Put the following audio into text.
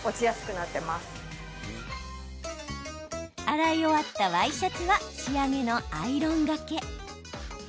洗い終わったワイシャツは仕上げのアイロンがけ。